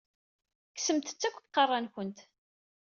Kksemt-tt akk seg iqeṛṛa-nkent!